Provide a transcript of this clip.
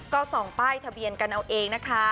ก็ส่องป้ายทะเบียนกันเอาเองนะคะ